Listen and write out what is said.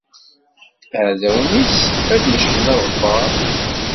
Iɛdawen-is ad d-mecḥen aɣebbar.